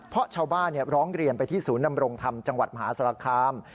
เพราะชาวบ้านร้องเรียนไปที่ศูนย์นำรงธรรมจังหวัดมหาสารคาม